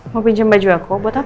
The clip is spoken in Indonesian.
mau pinjam baju aku buat apa